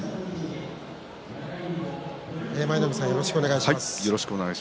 舞の海さんよろしくお願いします。